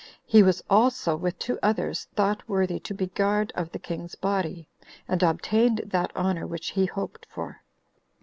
He was also, with two others, thought worthy to be guard of the king's body; and obtained that honor which he hoped for.